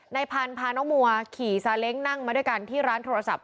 พันธุ์พาน้องมัวขี่ซาเล้งนั่งมาด้วยกันที่ร้านโทรศัพท์